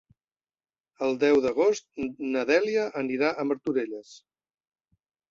El deu d'agost na Dèlia anirà a Martorelles.